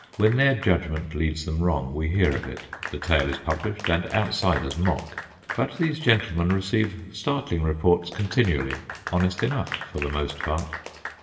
When their judgment leads them wrong we hear of it, the tale is published, and outsiders mock. But these gentlemen receive startling reports continually, honest enough for the most part.